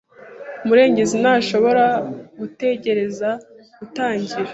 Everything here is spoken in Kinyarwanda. Murengezi ntashobora gutegereza gutangira.